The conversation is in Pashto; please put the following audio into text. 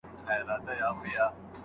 اسلام د شتمنۍ عادلانه وېش غواړي.